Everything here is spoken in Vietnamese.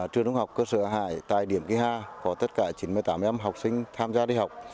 trường trung học cơ sở hải tại điểm kỳ hà có tất cả chín mươi tám em học sinh tham gia đi học